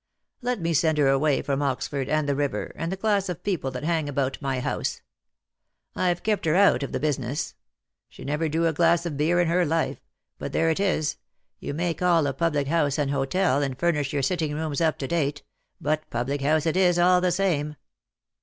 Let me send her away from Oxford, and the river, and the class of people that hang about my house. I've kept her out of the business. She never drew a glass of beer in her life; but there it is, you may call a public house an hotel and furnish your sitting rooms up to date, but public house it is all the same.